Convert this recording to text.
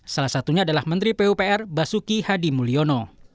salah satunya adalah menteri pupr basuki hadi mulyono